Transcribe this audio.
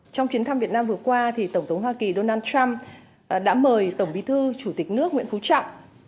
trong chuyến thăm việt nam vừa qua tổng thống hoa kỳ donald trump đã mời tổng bí thư chủ tịch nước nguyễn phú trọng